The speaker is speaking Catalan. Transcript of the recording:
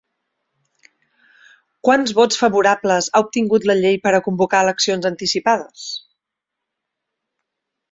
Quants vots favorables ha obtingut la llei per a convocar eleccions anticipades?